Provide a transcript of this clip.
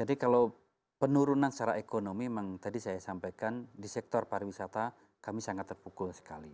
jadi kalau penurunan secara ekonomi memang tadi saya sampaikan di sektor pariwisata kami sangat terpukul sekali